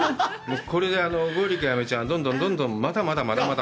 これで剛力彩芽ちゃん、どんどんどんどん、まだまだまだまだ。